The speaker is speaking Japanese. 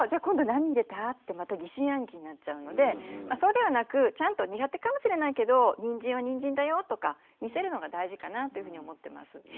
「今度何入れた？」ってまた疑心暗鬼になっちゃうのでそうではなくちゃんと苦手かもしれないけどにんじんはにんじんだよとか見せるのが大事かなというふうに思ってます。